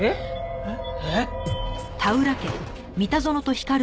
えっ？